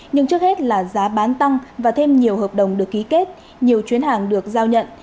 nhưng trước hết là giá bán tăng và thêm nhiều hợp đồng được ký kết nhiều chuyến hàng được giao nhận